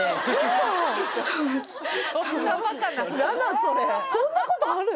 それそんなことある？